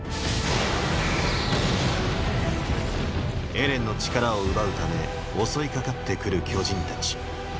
エレンの力を奪うため襲いかかってくる巨人たち。